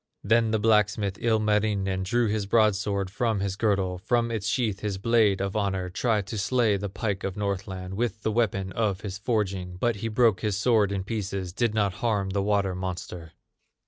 Then the blacksmith, Ilmarinen, Drew his broadsword from his girdle, From its sheath his blade of honor, Tried to slay the pike of Northland With the weapon of his forging; But he broke his sword in pieces, Did not harm the water monster.